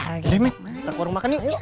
oke deh men kita ke warung makan yuk